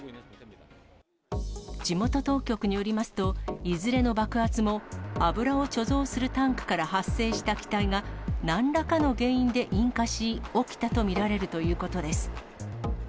地元当局によりますと、いずれの爆発も、油を貯蔵するタンクから発生した気体が、なんらかの原因で引火し、起きたと見られるということです。